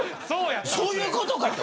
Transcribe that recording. そういうことか。